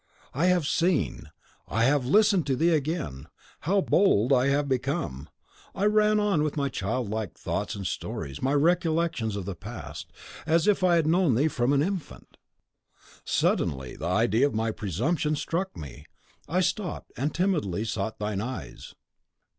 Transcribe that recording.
.... "I HAVE seen, I have LISTENED to thee again. How bold I have become! I ran on with my childlike thoughts and stories, my recollections of the past, as if I had known thee from an infant. Suddenly the idea of my presumption struck me. I stopped, and timidly sought thine eyes.